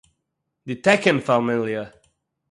די טעקין פאַמיליע